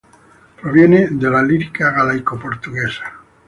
Proviene de la lírica galaico-portuguesa.